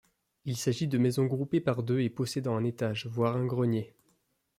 Il s'agit de maisons groupées par deux et possédant un étage, voire un grenier.